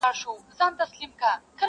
مضمون د شرافت دي په معنا لوستلی نه دی.